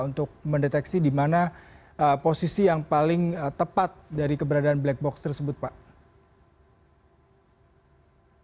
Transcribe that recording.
untuk mendeteksi di mana posisi yang paling tepat dari keberadaan black box tersebut pak